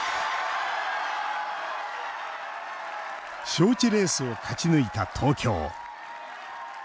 招致レースを勝ち抜いた東京。